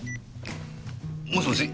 もしもし？